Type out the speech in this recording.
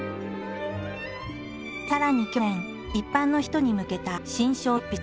さらに去年一般の人に向けた新書を執筆。